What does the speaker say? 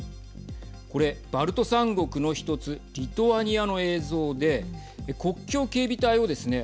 これ、バルト３国の１つリトアニアの映像で国境警備隊をですね